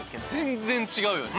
全然違うよね